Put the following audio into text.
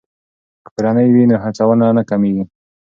که کورنۍ وي نو هڅونه نه کمیږي.